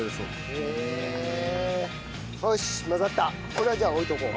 これはじゃあ置いておこう。